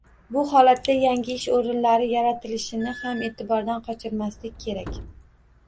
Bu holatda yangi ish o‘rinlari yaratilishini ham e’tibordan qochirmaslik kerak.